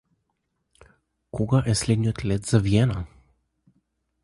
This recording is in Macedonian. Кога е следниот лет за Виена?